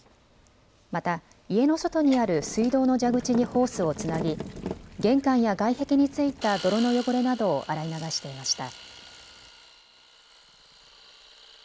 また家の外にある水道の蛇口にホースをつなぎ玄関や外壁についた泥の汚れなどを洗い流していました。